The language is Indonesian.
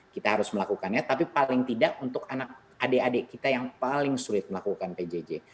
kita harus melakukannya tapi paling tidak untuk anak adik adik kita yang paling sulit melakukan pjj